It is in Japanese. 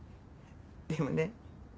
でもね